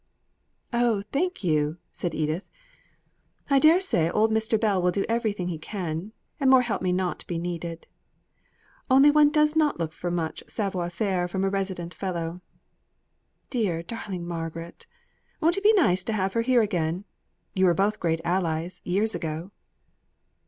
"Oh, thank you," said Edith, "I dare say old Mr. Bell will do everything he can, and more help may not be needed. Only one does not look for much savoir faire from a resident Fellow. Dear, darling Margaret; won't it be nice to have her here, again? You were both great allies, years ago."